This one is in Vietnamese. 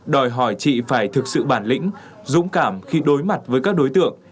đòi hỏi chị phải thực sự bản lĩnh dũng cảm khi đối mặt với các đối tượng